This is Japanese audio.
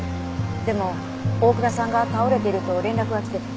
でも大倉さんが倒れていると連絡が来て。